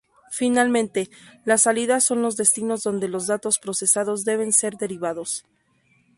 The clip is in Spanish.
Finalmente, las salidas son los destinos donde los datos procesados deben ser derivados.